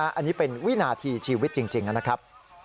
อันนี้เป็นวินาทีชีวิตจริงนะครับ